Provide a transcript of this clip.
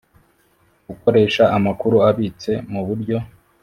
gukoresha amakuru abitse muburyo